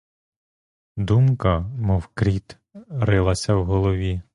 Думка, мов кріт, рилася в голові.